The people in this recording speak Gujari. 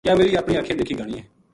یاہ میری اپنی اکھیں دیکھی گہانی